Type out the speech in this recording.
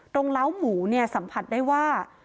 ตรงล้าวหมู่สัมผัสได้ว่า